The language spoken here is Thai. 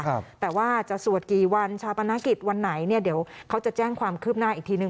ครับแต่ว่าจะสวดกี่วันชาปนกิจวันไหนเนี่ยเดี๋ยวเขาจะแจ้งความคืบหน้าอีกทีหนึ่ง